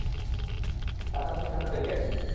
তার কারণেই আমরা বেঁচে আছি।